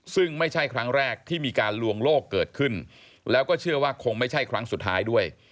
ซึ่งไม่ใช่ครั้งแรกที่มีการลวงโลกเกิดขึ้นแล้วก็เชื่อว่าคงไม่ใช่ครั้งสุดท้ายด้วย